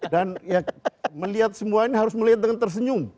dan melihat semua ini harus melihat dengan tersenyum